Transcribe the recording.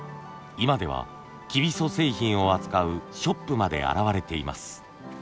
今ではきびそ製品を扱うショップまで現れています。